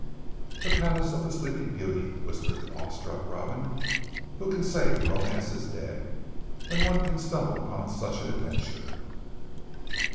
"The palace of the Sleeping Beauty," whispered the awe struck Robin. "Who can say romance is dead, when one can stumble upon such an adventure."